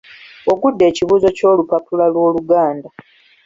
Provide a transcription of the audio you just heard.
Ogudde ekibuuzo ky’olupapula lw’Oluganda